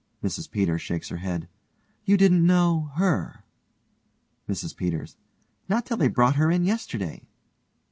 (MRS PETERS shakes her head) You didn't know her? MRS PETERS: Not till they brought her yesterday.